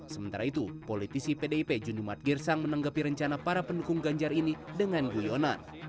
sementara itu politisi pdip junimat girsang menanggapi rencana para pendukung ganjar ini dengan guyonan